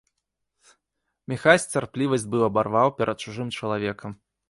Міхась цярплівасць быў абарваў перад чужым чалавекам.